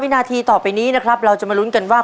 นาทีต่อไปนี้นะครับเราจะมาลุ้นกันว่า